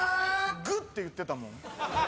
「ぐ」って言ってたもん。